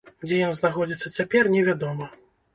Дзе ён знаходзіцца цяпер, невядома.